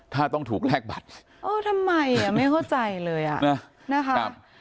ถ้าต้องถูกแลกบัตรโอ้ทำไมอ่ะไม่เข้าใจเลยอ่ะนะคะ